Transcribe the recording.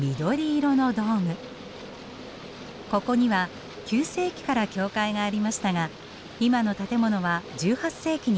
ここには９世紀から教会がありましたが今の建物は１８世紀にできました。